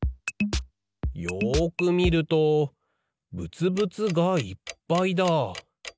よくみるとぶつぶつがいっぱいだ。